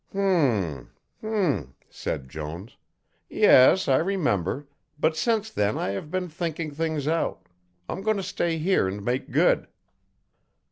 "H'm, h'm," said Jones. "Yes, I remember, but since then I have been thinking things out. I'm going to stay here and make good."